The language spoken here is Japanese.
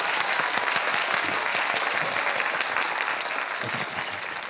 お座りください。